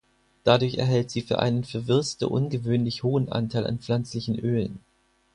Dadurch erhält sie einen für Würste ungewöhnlich hohen Anteil an pflanzlichen Ölen.